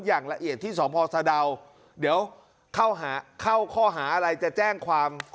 อย่างละเอียดที่สพสะดาวเดี๋ยวเข้าหาเข้าข้อหาอะไรจะแจ้งความ